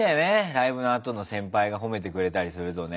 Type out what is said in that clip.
ライブのあとの先輩が褒めてくれたりするとね。